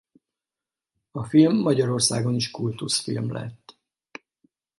A film Magyarországon is kultuszfilm lett.